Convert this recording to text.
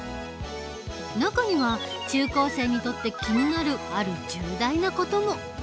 中には中高生にとって気になるある重大な事も。